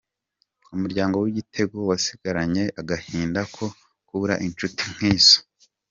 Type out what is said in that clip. Umuryango w’Igitego wasigaranye agahinda ko kubura incuti nk’izo.